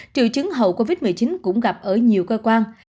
triệu chứng hậu covid một mươi chín cũng gặp ở nhiều cơ quan